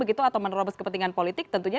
begitu atau menerobos kepentingan politik tentunya